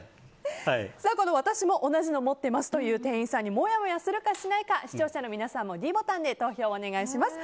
この私も同じもの持ってますという店員さんもやもやするかしないか視聴者の皆さんもｄボタンで投票をお願いします。